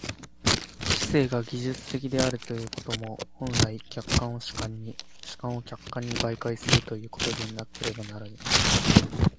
知性が技術的であるということも、本来、客観を主観に、主観を客観に媒介するということでなければならぬ。